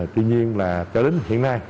tuy nhiên là cho đến hiện nay